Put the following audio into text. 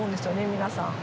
皆さん。